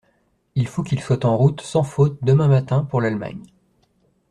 Il faut qu’il soit en route, sans faute, demain matin, pour l’Allemagne.